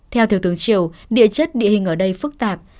theo thượng tướng triều địa chất địa hình ở đây phức tạp